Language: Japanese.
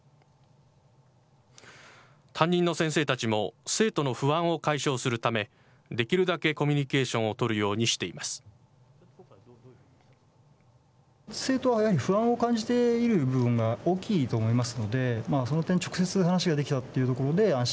担任の先生たちも、生徒の不安を解消するため、できるだけコミュニケーションを取るようにしています。